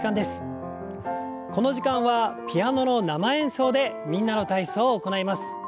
この時間はピアノの生演奏で「みんなの体操」を行います。